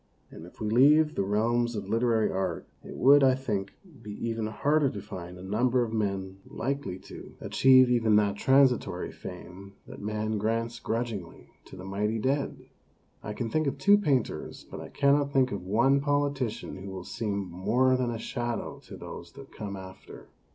And if we leave the realms of literary art, it would, I think, be even harder to find a number of men likely to THE VERDICT OF POSTERITY 187 achieve even that transitory fame that man grants grudgingly to the mighty dead. I can think of two painters, but I cannot think of one politician who will seem more than a shadow to those that come after.